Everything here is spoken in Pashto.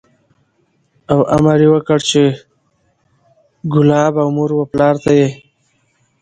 او امر یې وکړ چې کلاب او مور و پلار ته یې